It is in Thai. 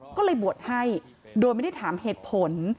ก็เลยบวชให้โดยไม่ได้ถามเหตุผล